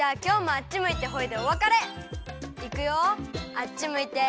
あっちむいてホイ！